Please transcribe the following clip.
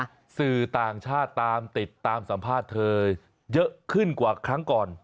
คือสื่อต่างชาติตามติดตามสัมภาษณ์เธอเยอะขึ้นกว่าครั้งก่อน